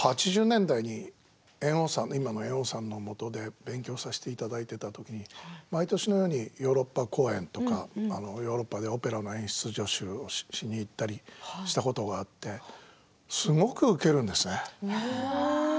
８０年代に今の猿翁さんのもとで勉強させていただいていたときに毎年のようにヨーロッパ公演とかヨーロッパのオペラの演出をしたことがあってすごく受けるんですね。